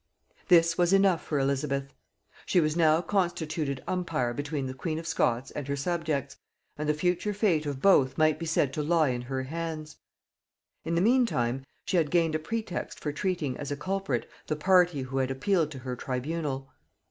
This was enough for Elizabeth: she was now constituted umpire between the queen of Scots and her subjects, and the future fate of both might be said to lie in her hands; in the mean time she had gained a pretext for treating as a culprit the party who had appealed to her tribunal.